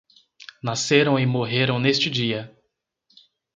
Nasceram e morreram neste dia